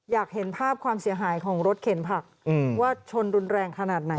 อยากเห็นภาพความเสียหายของรถเข็นผักว่าชนรุนแรงขนาดไหน